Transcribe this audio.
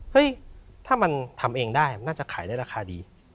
เฮ้ยถ้ามันทำเองได้น่าจะขายได้ราคาดี